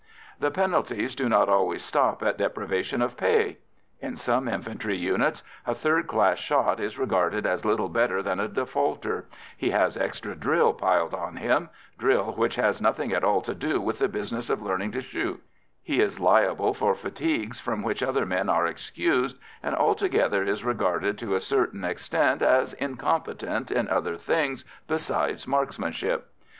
The penalties do not always stop at deprivation of pay. In some infantry units a third class shot is regarded as little better than a defaulter; he has extra drill piled on him drill which has nothing at all to do with the business of learning to shoot; he is liable for fatigues from which other men are excused, and altogether is regarded to a certain extent as incompetent in other things beside marksmanship.